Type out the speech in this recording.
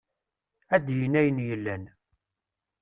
Ad d-yini ayen yellan.